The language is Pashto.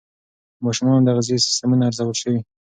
د ماشومانو د تغذیې سیستمونه ارزول شوي.